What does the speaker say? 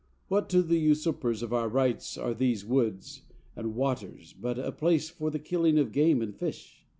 What to the usurpers of our rights are these woods and waters but a place for the killing of game and fish?